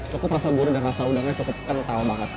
cukup rasa gurih dan rasa udangnya cukup kental banget